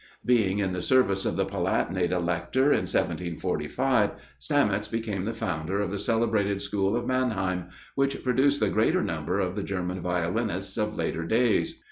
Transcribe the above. Being in the service of the Palatinate Elector in 1745, Stamitz became the founder of the celebrated school of Mannheim, which produced the greater number of the German violinists of later days.